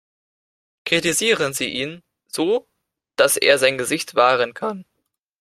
Kritisieren Sie ihn so, dass er sein Gesicht wahren kann.